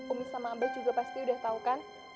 umi sama ambas juga pasti udah tau kan